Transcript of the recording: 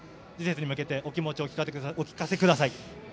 次節に向けてお気持ちを聞かせてください。